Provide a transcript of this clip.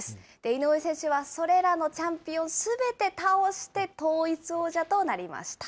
井上選手はそれらのチャンピオンすべて倒して、統一王者となりました。